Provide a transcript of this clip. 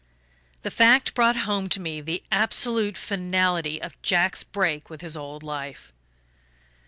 The fact brought home to me the absolute finality of Jack's break with his old life.